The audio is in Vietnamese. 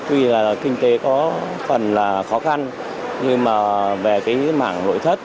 tuy là kinh tế có phần là khó khăn nhưng mà về cái mảng nội thất